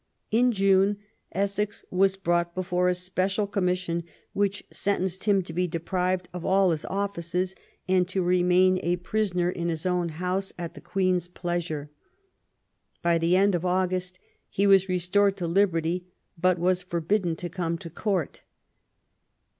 In June Essex was brought before a Special Com mission; which sentenced him to be deprived of all his offices and to remain a prisoner in his own house LAST YEARS OF ELIZABETH. 289 at the Queen's pleasure. By the end of August he was restored to liberty, but was forbidden to come to Court.